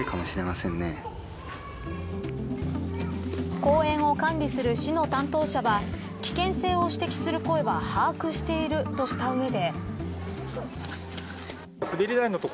公園を管理する市の担当者は危険性を指摘する声は把握しているとした上で。